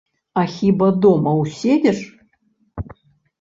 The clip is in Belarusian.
А хіба дома ўседзіш?